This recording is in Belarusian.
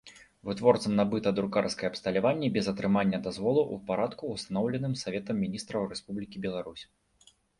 Вытворцам набыта друкарскае абсталяванне без атрымання дазволу ў парадку, устаноўленым Саветам Мiнiстраў Рэспублiкi Беларусь.